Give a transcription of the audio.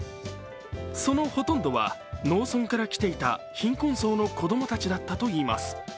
そのほとんどは、農村から来ていた貧困層の子供たちだったといいます。